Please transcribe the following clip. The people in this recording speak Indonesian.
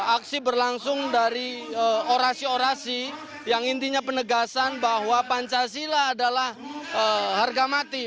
aksi berlangsung dari orasi orasi yang intinya penegasan bahwa pancasila adalah harga mati